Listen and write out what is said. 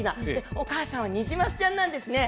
お母さんはニジマスちゃんなんですね。